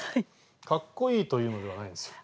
かっこいいというのではないんですよ。